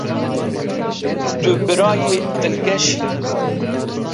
Tu birayê dilgeş î.